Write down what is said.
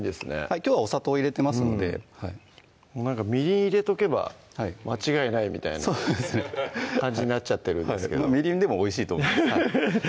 きょうはお砂糖入れてますのでみりん入れとけば間違いないみたいな感じになっちゃってるんですけどみりんでもおいしいと思います